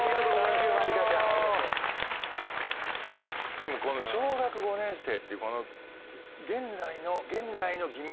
でもこの小学５年生っていう。